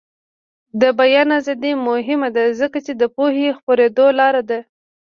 د بیان ازادي مهمه ده ځکه چې د پوهې خپریدو لاره ده.